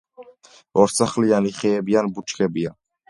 ორსახლიანი ხეები ან ბუჩქებია.